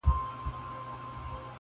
لا د ځان سره مي وړي دي دامونه.!